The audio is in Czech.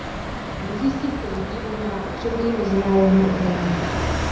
Mnozí z těchto lidí možná potřebují mezinárodní ochranu.